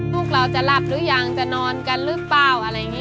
ลูกเราจะหลับหรือยังจะนอนก็หรือเปล่า